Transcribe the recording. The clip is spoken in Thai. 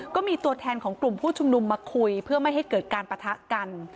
ก็มีตัวแทนของกลุ่มผู้ชุมนุมมาคุยเพื่อไม่ให้เกิดการปะทะกัน